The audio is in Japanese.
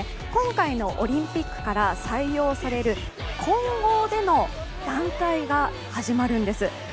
今回のオリンピックから採用される混合での団体が始まるんです。